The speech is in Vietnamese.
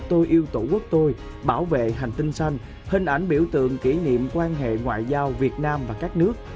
tôi yêu tổ quốc tôi bảo vệ hành tinh xanh hình ảnh biểu tượng kỷ niệm quan hệ ngoại giao việt nam và các nước